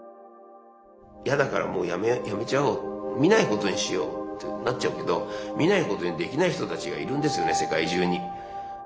嫌だからもう辞めちゃおう見ないことにしようってなっちゃうけど見ないことにできない人たちがいるんですよね世界中に。